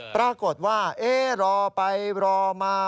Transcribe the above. ปรากฏว่ารอไปรอมา